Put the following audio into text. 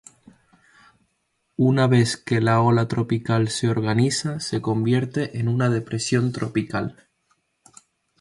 Una vez que la ola tropical se organiza, se convierte en una depresión tropical.